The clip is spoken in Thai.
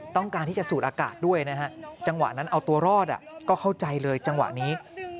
ต้องการที่จะสูดอากาศด้วยนะฮะจังหวะนั้นเอาตัวรอดก็เข้าใจเลยจังหวะนี้